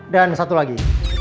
dan satu lagi